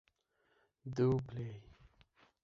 Do U Play?